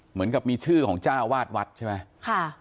เหมือนกับมีชื่อของจ้าวาดวัดใช่ไหมค่ะ